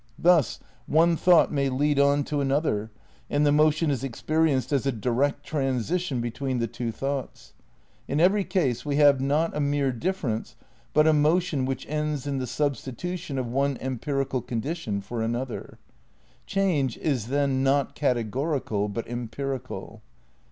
Thus one thought may lead on to another and the motion is experienced as a direct transition be ' Space, Time and Deity, Vol. I, p. 328. V THE CRITICAL PREPARATIONS 193 tween the two thoughts. ... In every ease we have not a mere difference but a motion which ends in the substitution of one em pirical condition for another. Change is then not categorial but empirical."